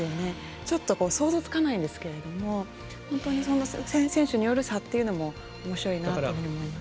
ちょっと想像つかないんですが本当に選手による差っていうのもおもしろいなと思います。